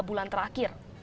tiga bulan terakhir